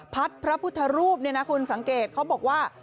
พระพุทธรูปเนี่ยนะคุณสังเกตเขาบอกว่า